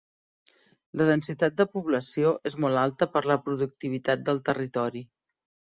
La densitat de població és molt alta per la productivitat del territori.